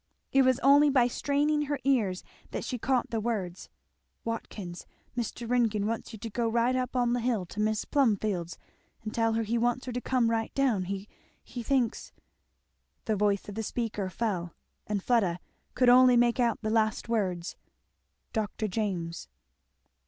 It was only by straining her ears that she caught the words, "Watkins, Mr. Ringgan wants you to go right up on the hill to Mis' Plumfield's and tell her he wants her to come right down he thinks" the voice of the speaker fell, and Fleda could only make out the last words, "Dr. James."